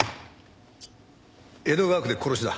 江戸川区で殺しだ。